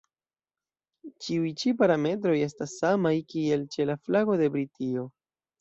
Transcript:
Ĉiuj ĉi parametroj estas samaj, kiel ĉe la flago de Britio.